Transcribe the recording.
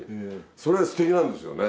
それがステキなんですよね。